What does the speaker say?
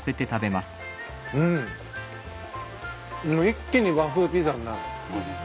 一気に和風ピザになる。